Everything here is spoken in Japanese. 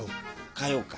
火曜か。